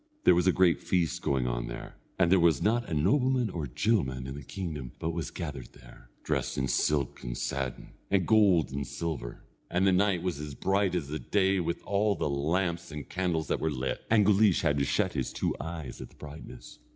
There was a great feast going on there, and there was not a nobleman or a gentleman in the kingdom but was gathered there, dressed in silk and satin, and gold and silver, and the night was as bright as the day with all the lamps and candles that were lit, and Guleesh had to shut his two eyes at the brightness.